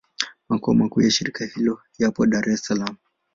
Makao makuu ya shirika hilo yapo Dar es Salaam.